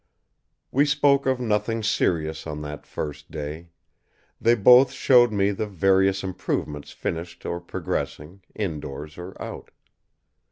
We spoke of nothing serious on that first day. They both showed me the various improvements finished or progressing, indoors or out.